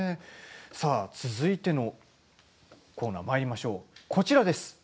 続いてのコーナーまいりましょう。